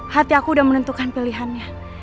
hati aku udah menentukan pilihannya